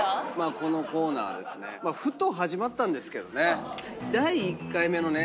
このコーナーはですねふと始まったんですけどね。